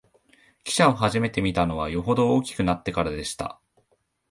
汽車をはじめて見たのは、よほど大きくなってからでした